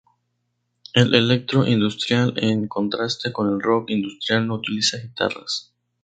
El electro-industrial en contraste con el rock industrial no utiliza guitarras.